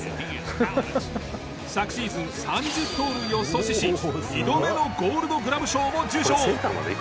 昨シーズン３０盗塁を阻止し２度目のゴールドグラブ賞も受賞。